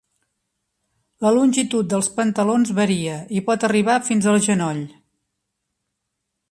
La longitud dels pantalons varia i pot arribar fins al genoll.